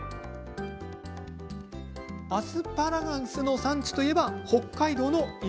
アスパラガスの産地といえば北海道。